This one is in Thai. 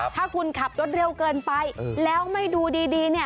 ถ้าคุณขับรถเร็วเกินไปแล้วไม่ดูดี